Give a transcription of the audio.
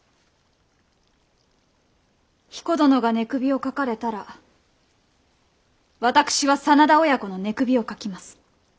彦殿が寝首をかかれたら私は真田親子の寝首をかきます。